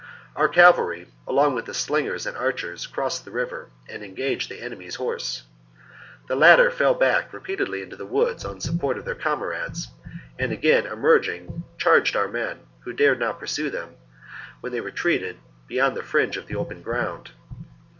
Our cavalry, along with the slingers and archers, crossed the river and engaged the enemy's horse. The latter fell back repeatedly into the woods on the support of their comrades, and again emerging, charged our men, who dared not pursue them, when they retreated, beyond the fringe of the open ground.